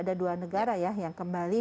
ada dua negara ya yang kembali